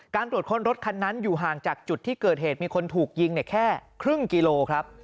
ตรวจค้นรถคันนั้นอยู่ห่างจากจุดที่เกิดเหตุมีคนถูกยิงแค่ครึ่งกิโลครับ